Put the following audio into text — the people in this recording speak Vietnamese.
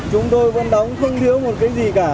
chúng tôi vẫn đóng không liếu một cái gì cả